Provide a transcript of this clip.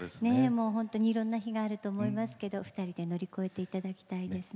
いろんな日があると思いますけど２人で乗り越えていただきたいですね。